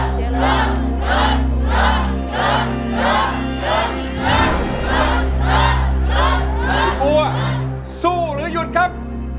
คุณบัวสู้หรือยุดครับ